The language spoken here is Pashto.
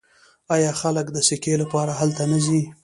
آیا خلک د سکي لپاره هلته نه ځي؟